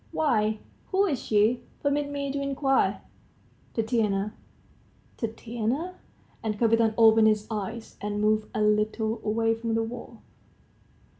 "Why, who is she, permit me to inquire?" "Tatiana." "Tatiana?" And Kapiton opened his eyes, and moved a little away from the wall.